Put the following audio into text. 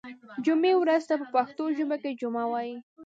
جمعې ورځې ته په پښتو ژبه کې جمعه وایی